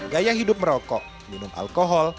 gaya hidup merokok minum alkohol